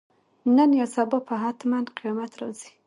نن یا سبا به حتماً قیامت راځي.